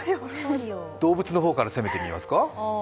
動物の方から攻めてみますか？